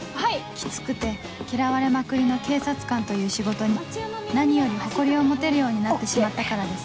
キツくて嫌われまくりの警察官という仕事に何より誇りを持てるようになってしまったからです